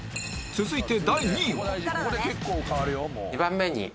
続いて第２位は